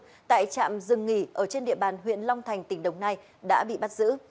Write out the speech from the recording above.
tại trạm dừng nghỉ ở trên địa bàn huyện long thành tỉnh đồng nai đã bị bắt giữ